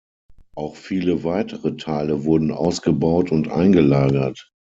Auch viele weitere Teile wurden ausgebaut und eingelagert.